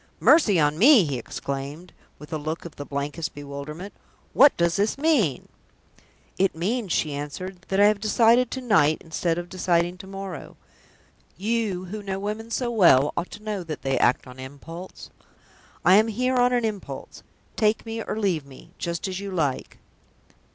"Mercy on me!" he exclaimed, with a look of the blankest bewilderment. "What does this mean?" "It means," she answered, "that I have decided to night instead of deciding to morrow. You, who know women so well, ought to know that they act on impulse. I am here on an impulse. Take me or leave me, just as you like."